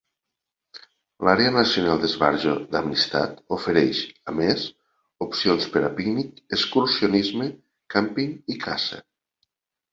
L'àrea nacional d'esbarjo d'Amistad ofereix, a més, opcions per a pícnic, excursionisme, càmping i caça.